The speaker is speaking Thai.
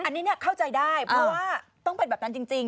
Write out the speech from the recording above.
อันนี้เข้าใจได้เพราะว่าต้องเป็นแบบนั้นจริง